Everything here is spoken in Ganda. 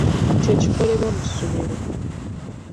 Kye kikolebwa mu ssomero.